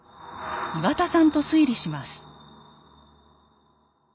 岩田さんと推理します。